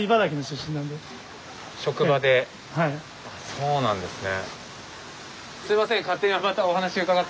そうなんですね。